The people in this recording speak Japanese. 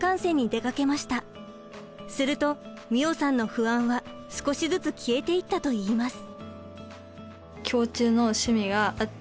すると美桜さんの不安は少しずつ消えていったといいます。